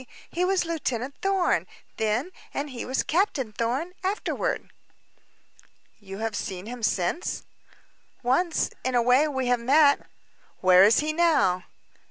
"He was Lieutenant Thorn, then and he was Captain Thorn, afterward." "You have seen him since?" "Once in a way we have met." "Where is he now?"